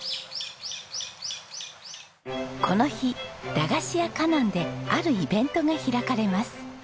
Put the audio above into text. この日だがしやかなんであるイベントが開かれます。